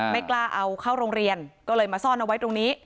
ไม่กล้าเอาเข้าโรงเรียนก็เลยมาซ่อนเอาไว้ตรงนี้